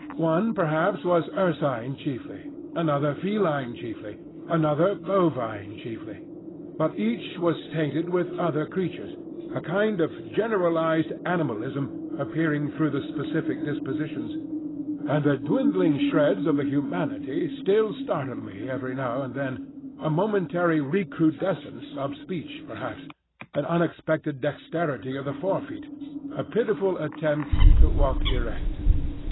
One perhaps was ursine chiefly, another feline chiefly, another bovine chiefly; but each was tainted with other creatures,—a kind of generalised animalism appearing through the specific dispositions. And the dwindling shreds of the humanity still startled me every now and then,—a momentary recrudescence of speech perhaps, an unexpected dexterity of the fore feet, a pitiful attempt to walk erect.